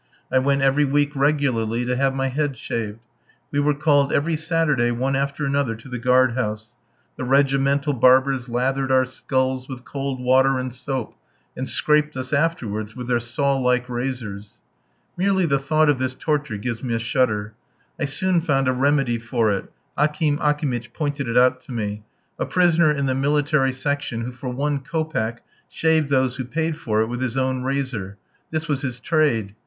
I went every week regularly to have my head shaved. We were called every Saturday one after another to the guard house. The regimental barbers lathered our skulls with cold water and soap, and scraped us afterwards with their saw like razors. Merely the thought of this torture gives me a shudder. I soon found a remedy for it Akim Akimitch pointed it out to me a prisoner in the military section who for one kopeck shaved those who paid for it with his own razor. This was his trade.